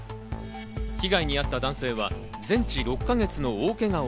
被害に遭った男性は全治６か月の大けがを